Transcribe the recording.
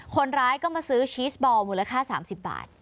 คนร้ายก็มาซื้อชีสบอลมูลค่า๓๐บาท